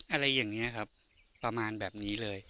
อะไรอย่างนี้ครับประมาณแบบนี้เลย